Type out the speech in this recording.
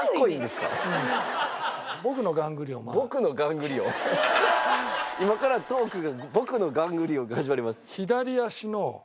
今からトークが僕のガングリオンで始まります。